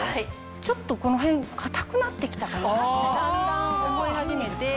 ちょっとこの辺硬くなって来たかなってだんだん思い始めて。